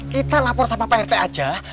kita lapor sama pak rt aja